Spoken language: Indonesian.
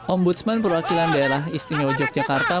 ombudsman perwakilan daerah istimewa yogyakarta